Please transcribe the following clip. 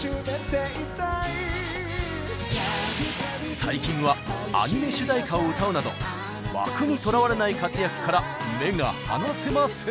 最近はアニメ主題歌を歌うなど枠にとらわれない活躍から目が離せません。